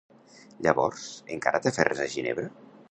Llavors, encara t'aferres a Ginebra?